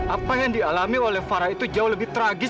apa yang dialami oleh farah itu jauh lebih tragis